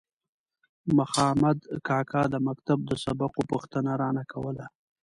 مخامد کاکا د مکتب د سبقو پوښتنه رانه کوله.